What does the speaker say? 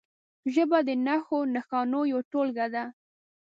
ژبه د نښو نښانو یوه ټولګه ده.